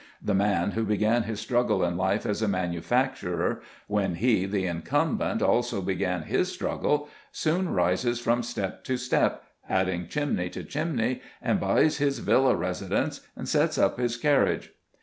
The man who began his struggle in life as a manufacturer, when he, the incumbent, also began his struggle, soon rises from step to step, adding chimney to chimney, and buys his villa residence and sets up his carriage.